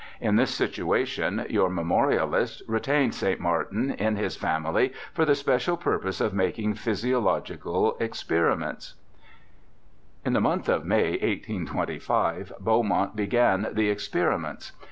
In this situation your memorialist retained St. Martin in his family for the special purpose of making physiological experiments,' In the month of May, 1825, Beaumont began the ex periments.